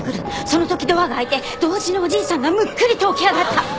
その時ドアが開いて同時におじいさんがむっくりと起き上がった。